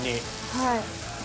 はい。